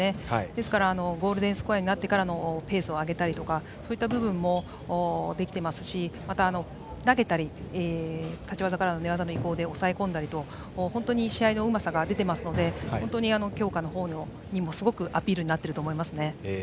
ですからゴールデンスコアになってからペースを上げたりとかそういった部分もできていますしまた投げたり立ち技からの寝技への移行で抑え込んだりと試合のうまさが出ていますので本当に強化のほうにもアピールになっていると思います。